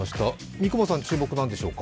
三雲さん、注目何でしょうか？